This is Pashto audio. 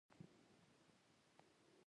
مستبد هغه کس دی چې نور محروموي.